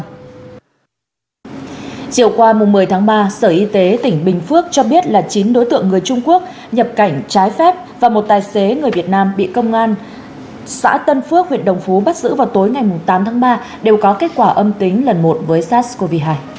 chiều qua một mươi tháng ba sở y tế tỉnh bình phước cho biết là chín đối tượng người trung quốc nhập cảnh trái phép và một tài xế người việt nam bị công an xã tân phước huyện đồng phú bắt giữ vào tối ngày tám tháng ba đều có kết quả âm tính lần một với sars cov hai